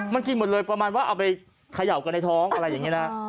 มันกินหมดเลยประมาณว่าเอาไปเขย่ากันในท้องอะไรอย่างนี้นะ